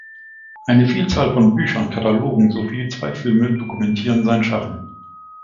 Eine Vielzahl von Büchern, Katalogen sowie zwei Filme dokumentieren sein Schaffen.